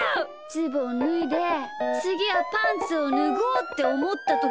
ズボンぬいでつぎはパンツをぬごうっておもったときに。